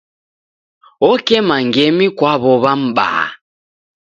Okema ngemi kwa w'ow'a m'baa.